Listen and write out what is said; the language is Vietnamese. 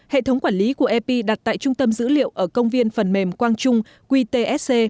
hệ thống quản lý của epi đặt tại trung tâm dữ liệu ở công viên phần mềm quang trung qtsc